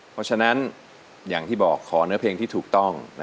เพราะฉะนั้นอย่างที่บอกขอเนื้อเพลงที่ถูกต้อง